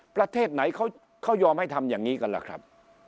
ประเทศไหนเขายอมให้ทำอย่างนี้กันล่ะครับ